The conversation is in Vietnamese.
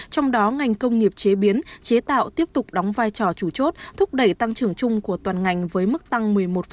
trong đó ngành công nghiệp chế biến chế tạo tiếp tục đóng vai trò chủ chốt thúc đẩy tăng trưởng chung của toàn ngành với mức tăng một mươi một năm